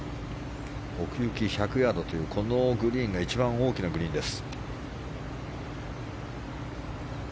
奥行き１００ヤードというこのグリーンが一番大きなグリーンです。